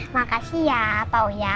makasih ya pak uya